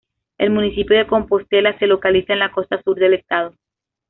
El municipio de Compostela se localiza en la costa "sur" del estado.